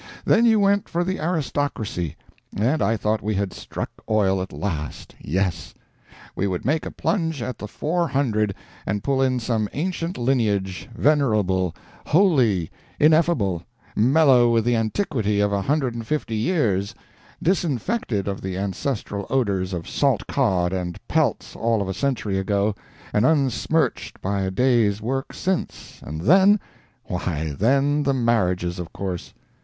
Then you went for the aristocracy; and I thought we had struck oil at last yes. We would make a plunge at the Four Hundred, and pull in some ancient lineage, venerable, holy, ineffable, mellow with the antiquity of a hundred and fifty years, disinfected of the ancestral odors of salt cod and pelts all of a century ago, and unsmirched by a day's work since, and then! why, then the marriages, of course.